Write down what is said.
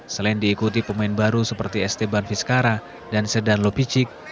selain diikuti pemain baru seperti esteban vizcara dan sedan lo picik